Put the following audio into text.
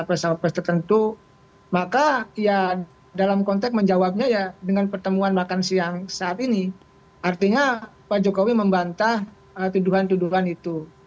ketika dia menjawab pertemuan makan siang saat ini artinya pak jokowi membantah tuduhan tuduhan itu